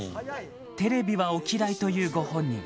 テレビはお嫌いというご本人。